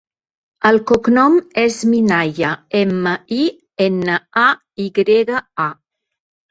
El cognom és Minaya: ema, i, ena, a, i grega, a.